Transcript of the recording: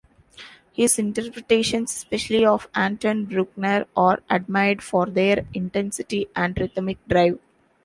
His interpretations, especially of Anton Bruckner, are admired for their intensity and rhythmic drive.